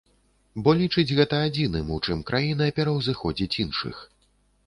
Бо лічыць гэта адзіным, у чым краіна пераўзыходзіць іншых.